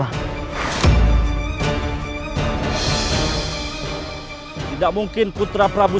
anime sudah memberikan momen dari timamu